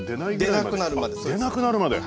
あっ出なくなるまで？